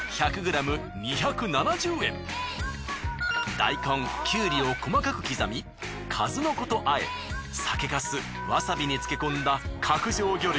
大根きゅうりを細かく刻み数の子と和え酒粕わさびに漬け込んだ角上魚類